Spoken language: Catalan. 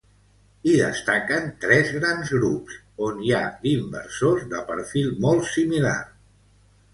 Hi destaquen tres grans grups on hi ha inversors de perfil molt similar.